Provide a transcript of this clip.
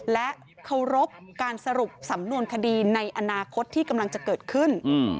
และเคารพการสรุปสำนวนคดีในอนาคตที่กำลังจะเกิดขึ้น